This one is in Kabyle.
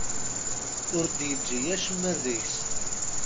Ur d-yeǧǧi acemma deg-s.